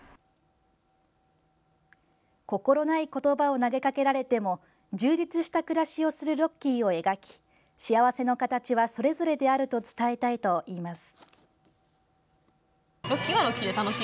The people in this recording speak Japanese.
心ない言葉を投げかけられても充実した暮らしをするロッキーを描き幸せの形はそれぞれであると伝えたいといいます。